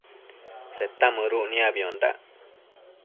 Seta mëduc niacbiondac